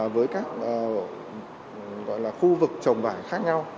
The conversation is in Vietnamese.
với các khu vực trồng vải khác nhau